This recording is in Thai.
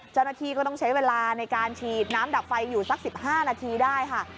เจ้าหน้าที่ก็ต้องใช้เวลาในการฉีดน้ำดับไฟอยู่สัก๑๕นาทีได้ค่ะ